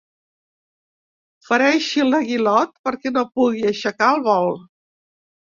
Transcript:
Fereixi l'aguilot perquè no pugui aixecar el vol.